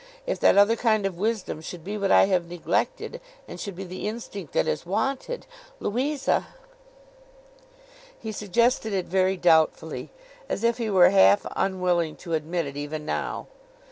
If that other kind of wisdom should be what I have neglected, and should be the instinct that is wanted, Louisa—' He suggested it very doubtfully, as if he were half unwilling to admit it even now.